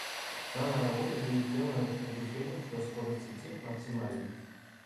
В данной работе будет сделано допущение что скорость сети максимальна.